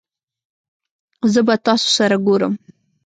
زه به تاسو سره ګورم